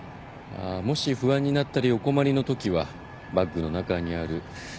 もし不安になったりお困りのときはバッグの中にある巾着を開けてください。